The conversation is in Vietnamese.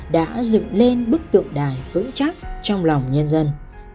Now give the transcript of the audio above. đã dựng lên bức tượng đài vững chắc trong lòng nhân dân